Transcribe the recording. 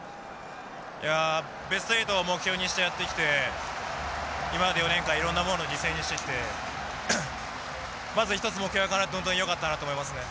いやベスト８を目標にしてやってきて今まで４年間いろんなものを犠牲にしてきてまず１つ目標がかなって本当によかったなと思いますね。